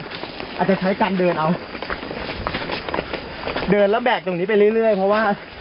อาจจะใช้การเดินเอาเดินแล้วแบกตรงนี้ไปเรื่อยเพราะว่า